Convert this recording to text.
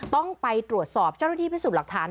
ต้องไปตรวจสอบเจ้าห้อวิธีผิดสูตรหลักฐาน